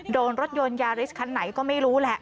โดนรถยนต์ยาริสคันไหนก็ไม่รู้แหละ